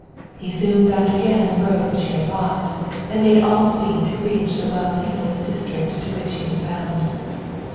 He soon found again the road which he had lost, and made all speed to reach the well peopled district to which he was bound.